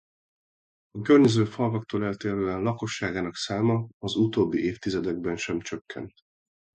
A környező falvaktól eltérően lakosságának száma az utóbbi évtizedekben sem csökkent.